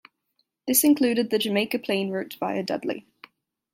This included the Jamaica Plain route via Dudley.